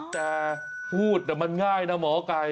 แต่พูดแต่มันง่ายนะหมอไก่